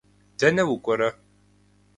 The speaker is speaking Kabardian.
Дэнэ укӏуэрэ?